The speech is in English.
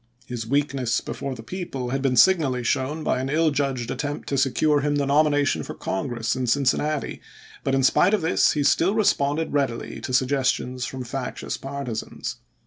His weakness before the people had been signally shown by an ill judged attempt to secure him the nomination for Congress in Cincin nati, but in spite of this he still responded readily to suggestions from factious partisans.